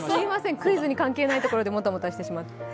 クイズに関係ないところでもたもたしてしまって。